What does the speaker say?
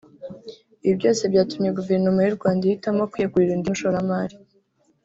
ibi byose byatumye Guverinoma y’u Rwanda ihitamo kuyegurira undi mushoramari